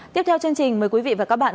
tiếp theo chương trình mời quý vị và các bạn